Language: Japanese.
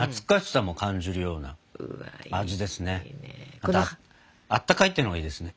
またあったかいっていうのがいいですね。